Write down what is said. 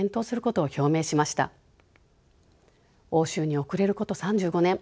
欧州に遅れること３５年